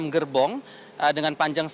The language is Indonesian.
enam gerbong dengan panjang